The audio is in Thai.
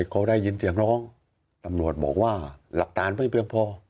เขาได้ยินเสียงร้องตำรวจบอกว่าหลักฐานไม่เพียงพอ